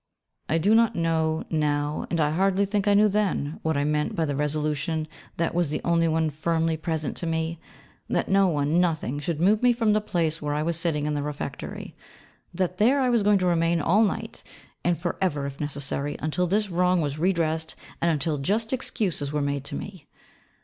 I do not know now, and I hardly think I knew then, what I meant by the resolution that was the only one firmly present to me, that no one, nothing, should move me from the place where I was sitting in the Refectory: that there I was going to remain all night, and for ever if necessary, until this wrong was redressed, and until just excuses were made to me.